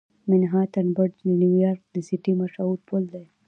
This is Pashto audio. منهاټن برج د نیویارک سیټي مشهور پل دی.